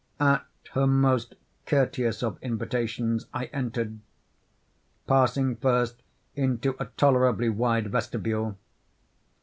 At her most courteous of invitations, I entered—passing first into a tolerably wide vestibule.